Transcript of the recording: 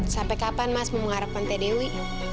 sampai kapan mas mau mengharapkan teh dewi